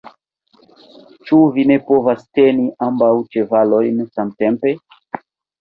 Ĉu vi ne povas teni ambaŭ ĉevalojn samtempe?